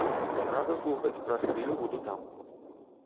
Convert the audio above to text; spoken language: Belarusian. Рада слухаць, праз хвілю буду там.